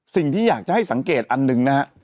สิ่งที่อยากจะให้สังเกตอันหนึ่งนะฮะ